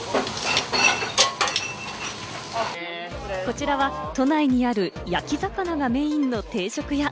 こちらは都内にある焼き魚がメインの定食屋。